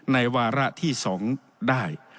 วาระที่๒ได้